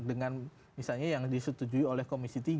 dengan misalnya yang disetujui oleh komisi tiga